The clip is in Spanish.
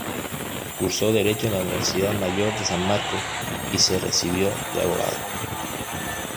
Cursó Derecho en la Universidad Mayor de San Marcos y se recibió de abogado.